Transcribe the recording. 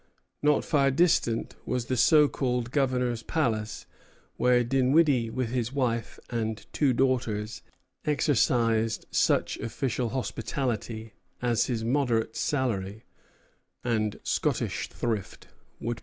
Not far distant was the so called Governor's Palace, where Dinwiddie with his wife and two daughters exercised such official hospitality as his moderate salary and Scottish thrift would permit.